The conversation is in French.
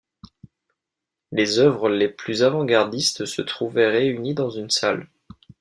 Les œuvres les plus avant-gardistes se trouvaient réunies dans une salle.